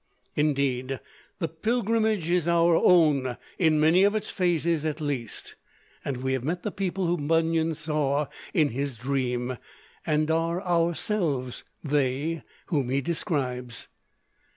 Indeed, the pilgrimage is our own in many of its phases at least, and we have met the people whom Bunyan saw in his dream, and are ourselves they whom he describes.